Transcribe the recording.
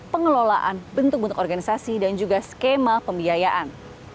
pengelolaan bentuk bentuk organisasi dan juga skema pembiayaan